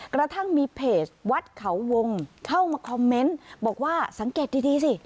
กระทั่งมีเพจวัดเขาวงเข้ามาคอมเมนต์บอกว่าสังเกตดีสิ